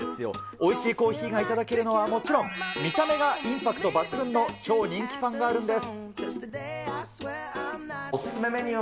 おいしいコーヒーが頂けるのはもちろん、見た目がインパクト抜群の超人気パンがあるんです。